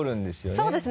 そうですね